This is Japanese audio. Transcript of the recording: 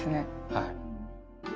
はい。